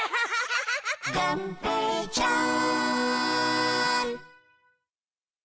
「がんぺーちゃん」